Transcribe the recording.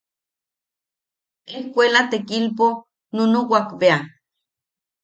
Ejkuela tekilpo nunuwak bea.